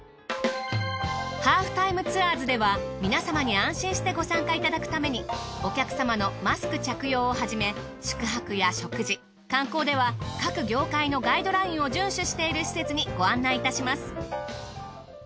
『ハーフタイムツアーズ』では皆様に安心してご参加いただくためにお客様のマスク着用をはじめ宿泊や食事観光では各業界のガイドラインを順守している施設にご案内いたします。